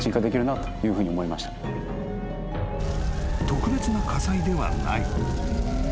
［特別な火災ではない］